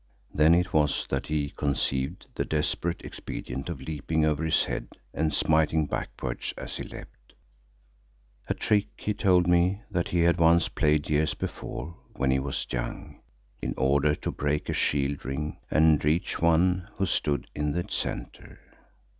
Then it was that he conceived the desperate expedient of leaping over his head and smiting backwards as he leapt, a trick, he told me, that he had once played years before when he was young, in order to break a shield ring and reach one who stood in its centre.